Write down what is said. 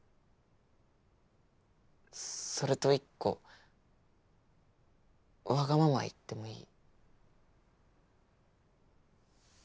それと１個わがまま言ってもいい？